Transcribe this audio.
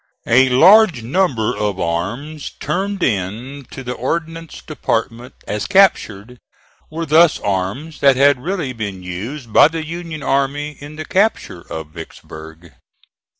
A large number of arms turned in to the Ordnance Department as captured, were thus arms that had really been used by the Union army in the capture of Vicksburg.